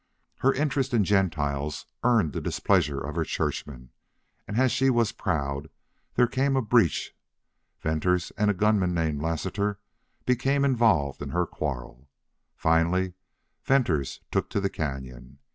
Her interest in Gentiles earned the displeasure of her churchmen, and as she was proud there came a breach. Venters and a gunman named Lassiter became involved in her quarrel. Finally Venters took to the cañon.